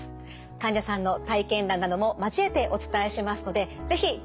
患者さんの体験談なども交えてお伝えしますので是非ご覧ください。